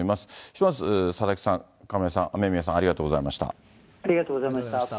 ひとまず佐々木さん、亀井さん、雨宮さん、ありがとうございましありがとうございました。